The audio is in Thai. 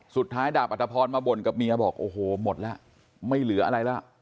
ดาบอัตภพรมาบ่นกับเมียบอกโอ้โหหมดแล้วไม่เหลืออะไรแล้ว